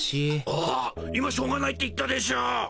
あ今しょうがないって言ったでしょ。